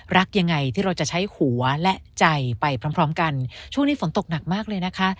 รักยังไงที่เราจะใช้หัวและใจไปพร้อมพร้อมกันช่วงนี้ฝนตกหนักมากเลยนะคะ